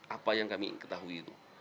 apa yang kami ketahui itu